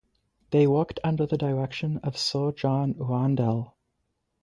They worked under the direction of Sir John Randall.